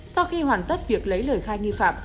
sau khi hoàn tất việc lấy lời khai nghi phạm